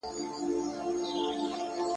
دا توپير خلک مغشوش کوي.